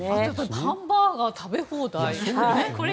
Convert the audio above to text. ハンバーガー食べ放題。